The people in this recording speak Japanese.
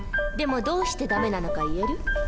でもどうして駄目なのか言える？